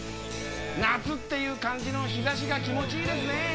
夏っていう感じの日差しが気持ちいいですね。